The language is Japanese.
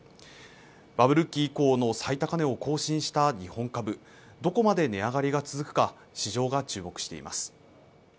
バブル期以降の最高値を更新した日本株、どこまで値上がりが続くか市場が注目しています。